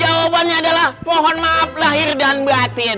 jawabannya adalah mohon maaf lahir dan batin